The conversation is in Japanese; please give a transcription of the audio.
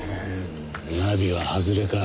ナビは外れか。